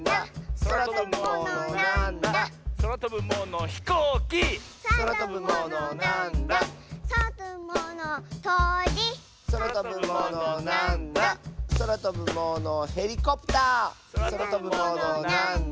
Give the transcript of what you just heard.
「そらとぶものなんだ？」